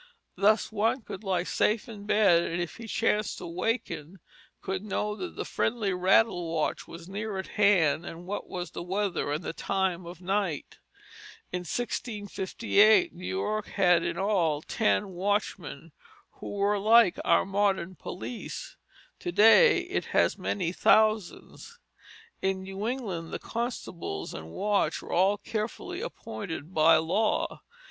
Thus one could lie safe in bed and if he chanced to waken could know that the friendly rattle watch was near at hand, and what was the weather and the time of night. In 1658 New York had in all ten watchmen, who were like our modern police; to day it has many thousands. In New England the constables and watch were all carefully appointed by law.